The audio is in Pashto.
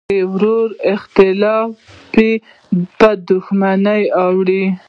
د ورور اختلاف یې په دوښمنۍ اړولی.